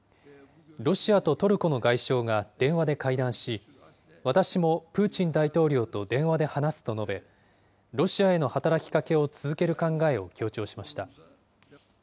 ロシアとトルコの外相が電話で会談し、私もプーチン大統領と電話で話すと述べ、ロシアへの働きかけを続ける考えを強調しました。